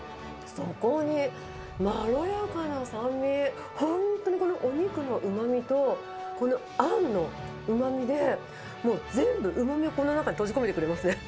そこにまろやかな酸味、本当にこのお肉のうまみと、このあんのうまみで、もう全部うまみをこの中に閉じ込めてくれますね。